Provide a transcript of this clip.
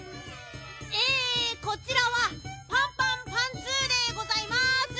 えこちらはパンパンパンツーでございます！